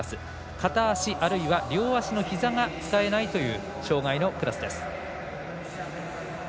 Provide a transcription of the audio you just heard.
片足、あるいは両足のひざが使えないという障がいのクラス。